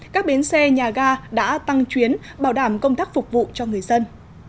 các bến xe nhà ga đã tăng chuyến bảo đảm công tác phục vụ cho người dân